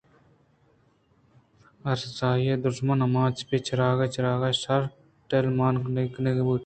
ارزانی ءَ دژمن ءِ آماچ بئے چِراغ چِراغے شر ٹیل مان کنگ بُوت